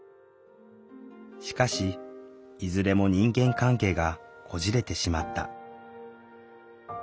しかしいずれも人間関係がこじれてしまった。